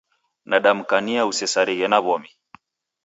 Nadamkania usesarighe na w'omi.